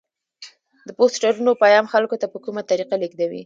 د پوسټرونو پیام خلکو ته په کومه طریقه لیږدوي؟